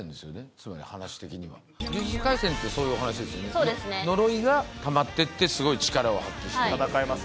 つまり話的には「呪術廻戦」ってそういうお話ですよね呪いがたまってってすごい力を発揮して戦います